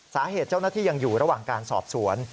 สาเหตุเจ้าหน้าที่ยังอยู่ระหว่างการสอบสวน